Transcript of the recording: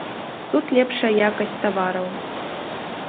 Тут лепшая якасць тавараў.